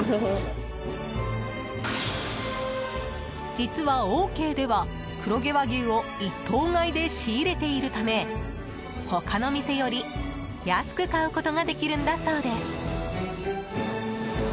実は、オーケーでは黒毛和牛を１頭買いで仕入れているため他の店より、安く買うことができるんだそうです。